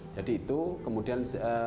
jadi itu kemudian